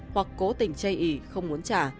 hoặc cố tình chây ý không muốn trả